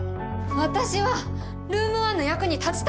私はルーム１の役に立ちたいんです！